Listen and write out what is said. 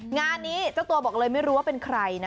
งานนี้เจ้าตัวบอกเลยไม่รู้ว่าเป็นใครนะ